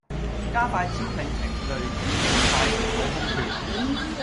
加快招聘程序以盡早填補空缺